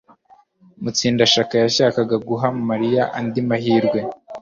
Mutsindashyaka yashakaga guha Mariya andi mahirwe.